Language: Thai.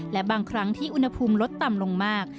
และบางครั้งที่อุณหภูมิลดต่ำลงมาก